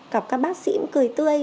gặp các bác sĩ cũng cười tươi